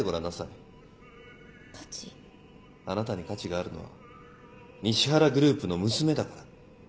あなたに価値があるのは西原グループの娘だから。